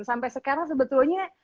sampai sekarang sebetulnya